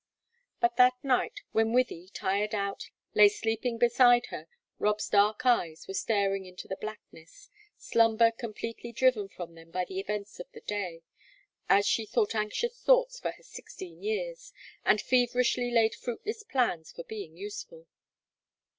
But that night, when Wythie, tired out, lay sleeping beside her, Rob's dark eyes were staring into the blackness, slumber completely driven from them by the events of the day, as she thought anxious thoughts for her sixteen years, and feverishly laid fruitless plans for being useful.